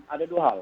ada dua hal